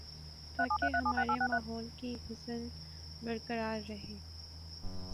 تاکہ ہمارے ماحول کی حسن برقرار رہے